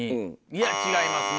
いや違いますね。